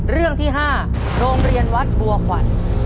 เรื่องที่๕โรงเรียนวัดบัวขวัญ